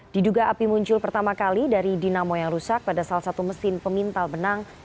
diduga api muncul pertama kali dari dinamo yang rusak pada salah satu mesin pemintal benang